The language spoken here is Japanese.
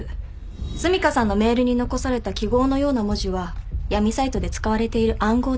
澄香さんのメールに残された記号のような文字は闇サイトで使われている暗号でした。